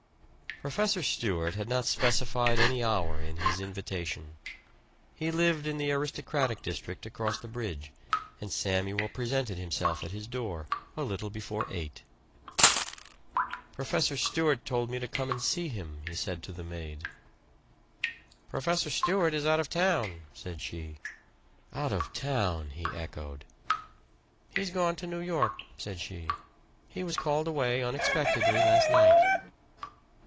Professor Stewart had not specified any hour in his invitation. He lived in the aristocratic district across the bridge and Samuel presented himself at his door a little before eight. "Professor Stewart told me to come and see him," he said to the maid. "Professor Stewart is out of town," said she. "Out of town!" he echoed. "He's gone to New York," said she. "He was called away unexpectedly last night."